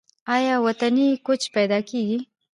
آیا وطني کوچ پیدا کیږي؟